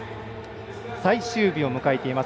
最終日を迎えています